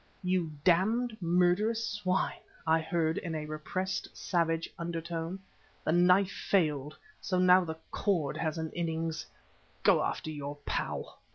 "You damned murderous swine!" I heard in a repressed, savage undertone. "The knife failed, so now the cord has an innings! Go after your pal!"